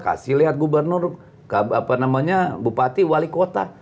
kasih lihat gubernur bupati wali kota